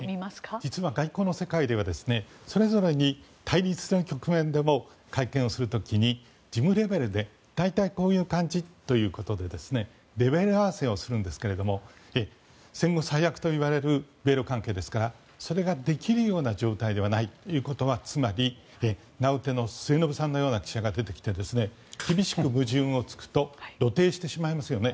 実は外交の世界ではそれぞれに対立する局面でも会見をする時に、事務レベルで大体、こういう感じということでレベル合わせをするんですが戦後最悪とも言われる米ロ関係ですからそれができるような状態ではないということはつまり、名うての末延さんのような記者が出てきて厳しく矛盾を突くと露呈してしまいますよね。